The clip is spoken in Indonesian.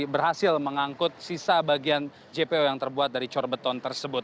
berhasil mengangkut sisa bagian jpo yang terbuat dari corbeton tersebut